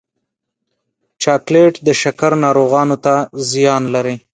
چاکلېټ د شکر ناروغانو ته زیان لري.